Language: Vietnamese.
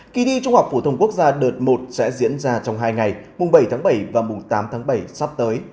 kỳ thi trung học phổ thông quốc gia đợt một sẽ diễn ra trong hai ngày mùng bảy tháng bảy và mùng tám tháng bảy sắp tới